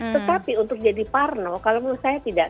tetapi untuk jadi parno kalau menurut saya tidak